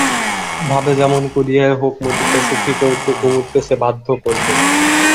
ভাবে যেমন করিয়াই হোক মতিকে সুখী করিতে কুমুদকে সে বাধ্য করবে।